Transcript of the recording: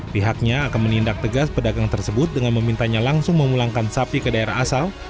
pihaknya akan menindak tegas pedagang tersebut dengan memintanya langsung memulangkan sapi ke daerah asal